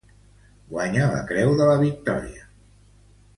Guanya la Creu de la Victòria.